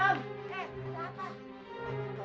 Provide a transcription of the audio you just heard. eh ada apa